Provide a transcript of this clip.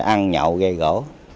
để ăn nhậu gây gỗ